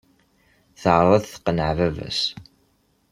Teɛreḍ ad tqenneɛ baba-s.